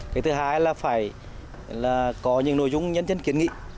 cái thứ hai là phải có những nội dung nhân dân kiến nghị